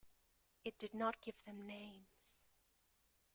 It did not give them names.